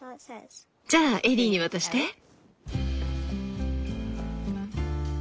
じゃあエリーに渡して。